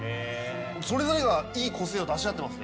それぞれがいい個性を出し合ってますね。